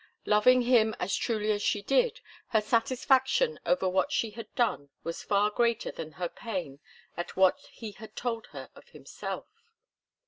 Loving him as truly as she did, her satisfaction over what she had done was far greater than her pain at what he had told her of himself.